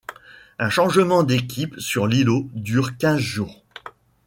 Un changement d'équipe sur l'îlot dure quinze jours.